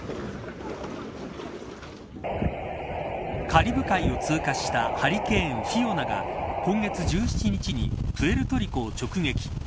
カリブ海を通過したハリケーンフィオナが今月１７日にプエルトリコを直撃。